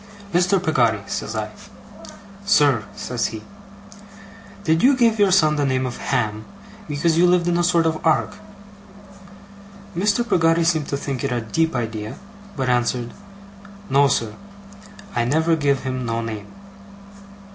'Mr. Peggotty!' says I. 'Sir,' says he. 'Did you give your son the name of Ham, because you lived in a sort of ark?' Mr. Peggotty seemed to think it a deep idea, but answered: 'No, sir. I never giv him no name.